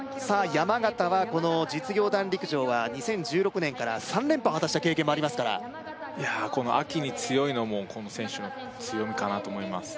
山縣はこの実業団陸上は２０１６年から３連覇を果たした経験もありますからいやこの秋に強いのもこの選手の強みかなと思います